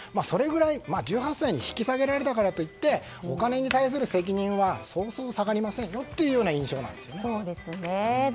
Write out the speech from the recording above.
それぐらい、１８歳に引き下げられたからといってお金に対する責任はそうそう下がりませんよという印象なんですよね。